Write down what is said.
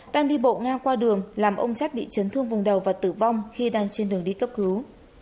đang đi bộ ngang qua đường làm ông chất bị chấn thương vùng đầu và tử vong khi đang trên đường đi cấp cứu